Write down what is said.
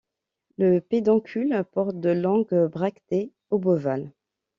Le pédoncule porte de longues bractées obovales.